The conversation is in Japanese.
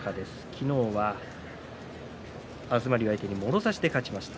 昨日は東龍を相手にもろ差しで勝ちました。